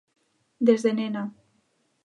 Desde nena.